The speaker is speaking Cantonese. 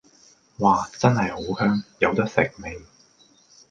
嘩！真係好香，有得食未